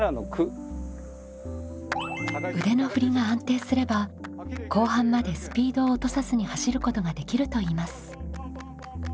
腕の振りが安定すれば後半までスピードを落とさずに走ることができるといいます。